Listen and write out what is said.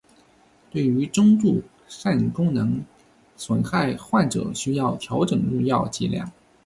对于中度肾功能损害患者需要调整用药剂量。